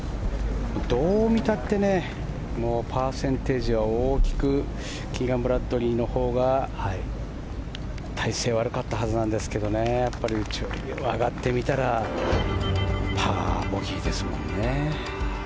どう見たってパーセンテージは大きくキーガン・ブラッドリーのほうが大勢が悪かったはずなんですが上がってみたらパー、ボギーですもんね。